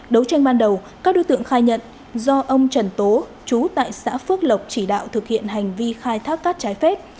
đấu tranh ban đầu các đối tượng khai nhận do ông trần tố chú tại xã phước lộc chỉ đạo thực hiện hành vi khai thác cát trái phép